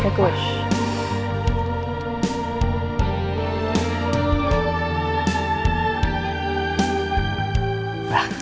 iya lah buat kami